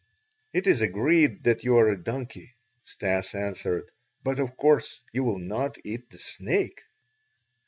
"It is agreed that you are a donkey," Stas answered, "but of course you will not eat the snake."